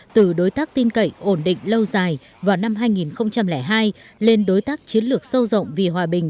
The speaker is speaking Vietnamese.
từ đối tác tin cậy ổn định lâu dài vào năm hai nghìn hai lên đối tác chiến lược sâu rộng vì hòa bình